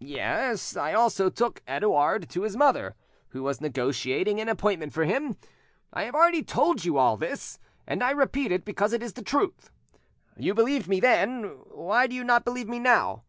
Yes, I also took Edouard to his mother, who was negotiating an appointment for him. I have already told you all this, and I repeat it because it is the truth. You believed me then: why do you not believe me now?